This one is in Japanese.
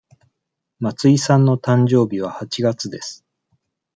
松井さんの誕生日は八月です。